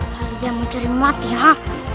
halilah mujarimati ha